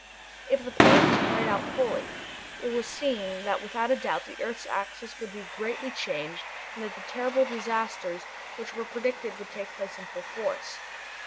If the plan was carried out fully it was seen that without a doubt the earth's axis would be greatly changed and that the terrible disasters which were predicted would take place with full force.